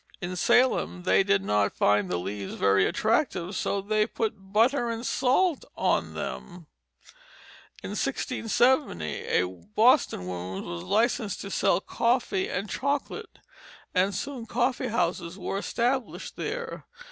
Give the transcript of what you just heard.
In Salem they did not find the leaves very attractive, so they put butter and salt on them. In 1670 a Boston woman was licensed to sell coffee and chocolate, and soon coffee houses were established there.